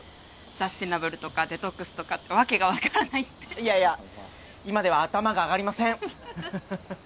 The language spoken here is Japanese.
サステナブルとかデトックスとか訳が分からないっていやいや今では頭が上がりません